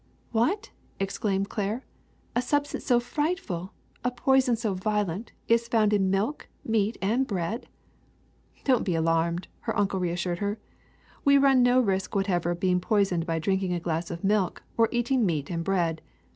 '' *^What!'' exclaimed Claire, ^^a substance so frightful, a poison so violent, is found in milk,^meat, and bread 1 ''^' Don't be alarmed, '^ her uncle reassured her. We run no risk whatever of being poisoned by drinking a glass of milk or eating meat and bread.